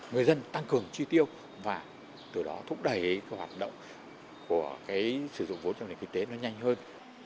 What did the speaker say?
người dân tăng cường chi tiêu và từ đó thúc đẩy hoạt động của cái sử dụng vốn trong lĩnh vực kinh tế nó nhanh hơn